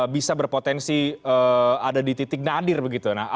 bisa berpotensi ada di titik nadir begitu